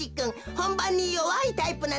ほんばんによわいタイプなんですね。